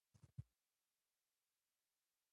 د خوست په نادر شاه کوټ کې د څه شي نښې دي؟